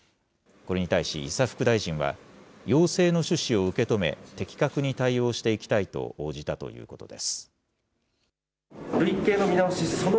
これに対し伊佐副大臣は、要請の趣旨を受け止め、的確に対応していきたいと応じたということです。